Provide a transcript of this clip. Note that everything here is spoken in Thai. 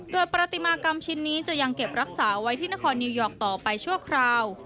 โดยปฏิมากรรมชิ้นนี้จะยังเก็บรักษาไว้ที่นครนิวยอร์กต่อไปชั่วคราว